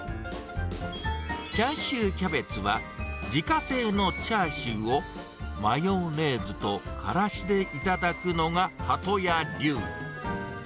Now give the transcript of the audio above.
チャーシューキャベツは自家製のチャーシューをマヨネーズとからしで頂くのがハト屋流。